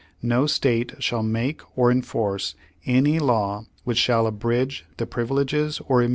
No State shall make or enforce any law which shall abridge the privileges or im.